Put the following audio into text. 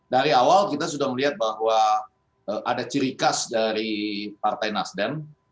dari awal kita sudah melihat bahwa ada ciri khas dari partai nasdem